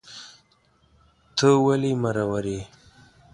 ته ولي مرور یې